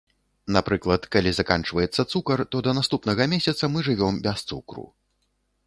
Напрыклад, калі заканчваецца цукар, то да наступнага месяца мы жывём без цукру.